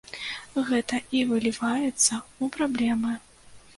Гэта і выліваецца ў праблемы.